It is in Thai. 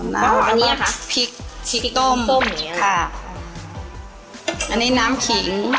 นี่ค่ะพริกพริกต้มพริกต้มนี่ค่ะอันนี้น้ำขิง